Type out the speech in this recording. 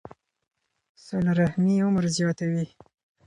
صله رحمي عمر زیاتوي.